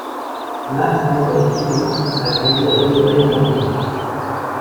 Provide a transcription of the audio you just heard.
Marc-André Pilon a grandi à Vaudreuil-Dorion.